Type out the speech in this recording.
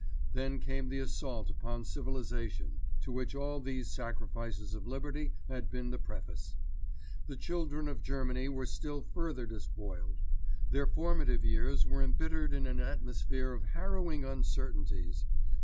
Then came the assault upon civilisation, to which all these sacrifices of liberty had been the preface. The children of Germany were still further despoiled. Their formative years were embittered in an atmosphere of harrowing uncertainties.